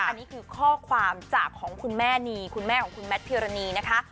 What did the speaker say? อันนี้คือข้อความจากของคุณแม่นีคุณแม่ของคุณแมทพิรณีนะคะ